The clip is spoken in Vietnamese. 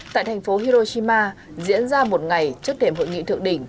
tại thành phố hiroshima diễn ra một ngày trước thềm hội nghị thượng đỉnh